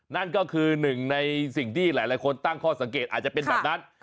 นั่นก็คือหนึ่งในสิ่งที่หลายคนตั้งข้อสังเกตอาจจะเป็นแบบนั้น